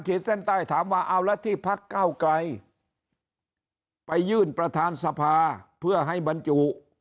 เส้นใต้ถามว่าเอาแล้วที่พักเก้าไกลไปยื่นประธานสภาเพื่อให้บรรจุ